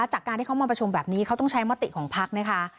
จากการที่เขามาประชุมแบบนี้เขาต้องใช้มติของพักนะคะ